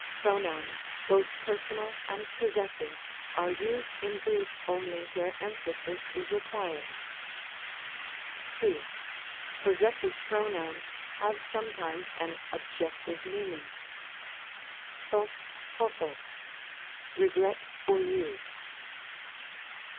Pronouns, both personal and possessive, are used in Greek only where emphasis is required. 2. Possessive pronouns have sometimes an objective meaning ; cog nodog, " regret for you."